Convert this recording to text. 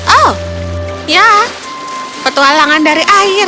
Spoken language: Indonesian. oh ya petualangan dari air